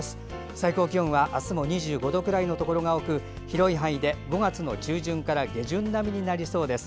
最高気温は明日も２５度くらいのところが多く広い範囲で５月中旬から下旬並みになりそうです。